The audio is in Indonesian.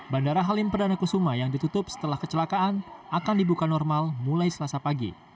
bandara halim perdana kusuma yang ditutup setelah kecelakaan akan dibuka normal mulai selasa pagi